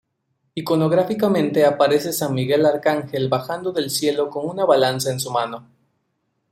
Iconográficamente aparece San Miguel Arcángel bajando del cielo con una balanza en su mano.